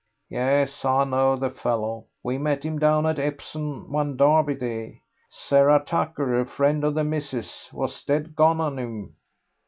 "Yes, I know the fellow. We met him down at Epsom one Derby Day. Sarah Tucker, a friend of the missis, was dead gone on him."